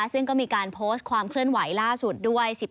ซึ่งก็มีการโพสต์ความเคลื่อนไหวล่าสุดด้วย